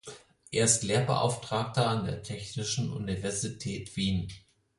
Er ist Lehrbeauftragter an der Technischen Universität Wien.